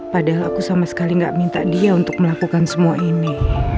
padahal aku sama sekali nggak minta dia untuk melakukan semua ini